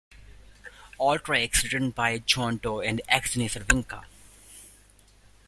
All tracks written by John Doe and Exene Cervenka.